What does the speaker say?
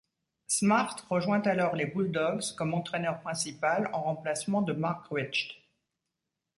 Smart rejoint alors les Bulldogs comme entraîneur principal en remplacement de Mark Richt.